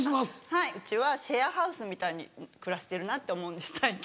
はいうちはシェアハウスみたいに暮らしてるなって思うんです最近。